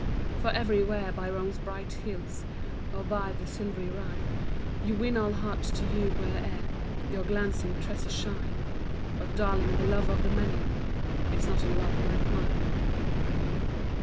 For everywhere, by Rome's bright hills, Or by the silvery Rhine, You win all hearts to you, where'er Your glancing tresses shine; But, darling, the love of the many, Is not a love like mine.